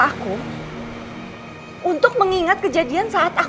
aku belum cepat kesana untuk